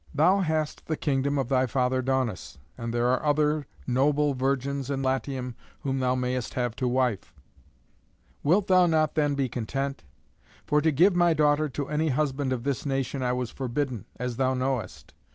Thou hast the kingdom of thy father Daunus; and there are other noble virgins in Latium whom thou mayest have to wife. Wilt thou not then be content? For to give my daughter to any husband of this nation I was forbidden, as thou knowest.